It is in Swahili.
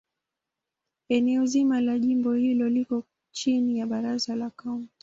Eneo zima la jimbo hili liko chini ya Baraza la Kaunti.